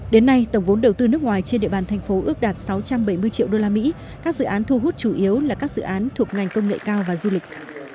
đến nay tổng vốn đầu tư nước ngoài trên địa bàn thành phố ước đạt sáu trăm bảy mươi triệu usd các dự án thu hút chủ yếu là các dự án thuộc ngành công nghệ cao và du lịch